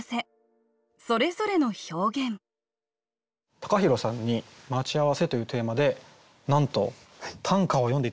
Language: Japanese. ＴＡＫＡＨＩＲＯさんに「待ち合わせ」というテーマでなんと短歌を詠んで頂きました。